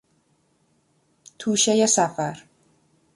توشهی سفر